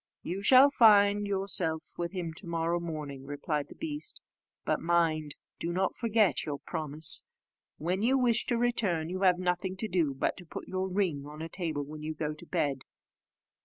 "You shall find yourself with him to morrow morning," replied the beast; "but mind, do not forget your promise. When you wish to return, you have nothing to do but to put your ring on a table when you go to bed.